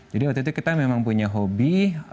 jadi waktu itu kita memang punya hobi